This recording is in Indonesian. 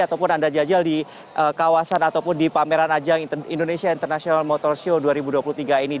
ataupun anda jajal di kawasan ataupun di pameran ajang indonesia international motor show dua ribu dua puluh tiga ini